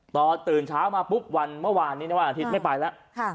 ตอนตื่นเช้ามาปุ๊บวันเมื่อวานนี้ในวันอาทิตย์ไม่ไปแล้ว